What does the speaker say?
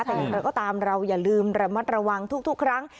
แต่อย่างไรก็ตามเราอย่าลืมระมัดระวังทุกครั้ง